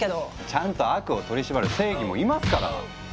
ちゃんと悪を取り締まる正義もいますから。